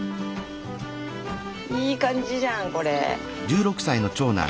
いい感じじゃんこれ。